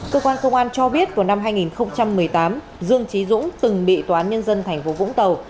cơ quan công an cho biết vào năm hai nghìn một mươi tám dương trí dũng từng bị toán nhân dân thành phố vũng tàu